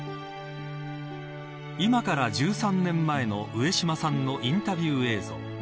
今から１３年前の上島さんのインタビュー映像。